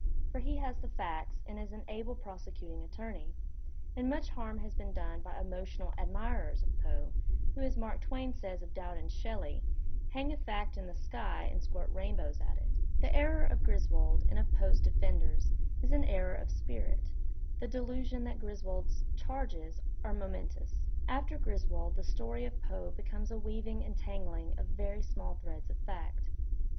For he has the facts and is an able prosecuting attorney. And much harm has been done by emotional admirers of Poe who, as Mark Twain says of Dowden's Shelley, "hang a fact in the sky and squirt rainbows at it. Digitized by Google 142 THE SPIRIT OF AMERICAN LITERATURE The error of Griswold, and of Poe's defenders, is an error of spirit, the delusion that Griswold's "charges" are momen tous. After Griswold the story of Poe becomes a weaving and tangling of very small threads of fact.